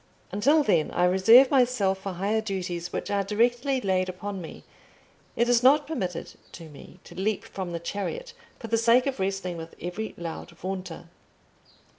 Until then I reserve myself for higher duties which are directly laid upon me: it is not permitted to me to leap from the chariot for the sake of wrestling with every loud vaunter.